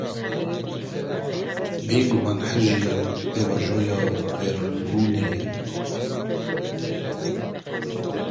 Bêguman her jiyan, pêvajoya wêranbûnê ye.